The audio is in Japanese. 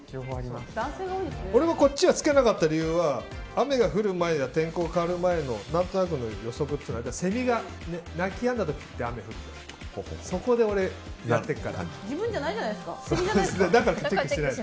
俺がこっちをつけなかった理由は雨が降る前や天候が変わる前の何となくの予測っていうのはセミが鳴きやんだ時って雨降るじゃない。